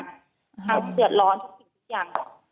เขาเดือดร้อนทุกสิ่งทุกอย่าง